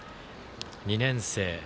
２年生。